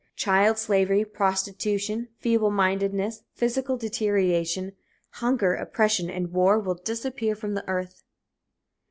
Child slavery, prostitution, feeblemindedness, physical deterioration, hunger, oppression and war will disappear from the earth.